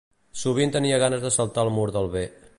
Sovint tenia ganes de saltar el mur del ve